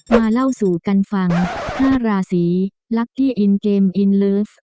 เล่าสู่กันฟัง๕ราศีลักกี้อินเกมอินเลิฟ